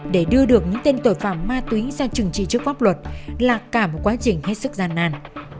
để đưa được những tên tội phạm ma túy sang chủng trị trước quốc luật là cả một quá trình hết sức gian nàn